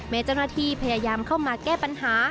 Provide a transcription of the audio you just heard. เจ้าหน้าที่พยายามเข้ามาแก้ปัญหา